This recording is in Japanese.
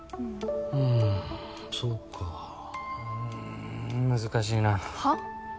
ううんうんそうかうん難しいなはあ？